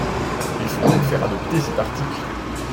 Il faut donc faire adopter cet article.